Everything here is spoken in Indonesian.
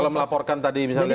kalau melaporkan tadi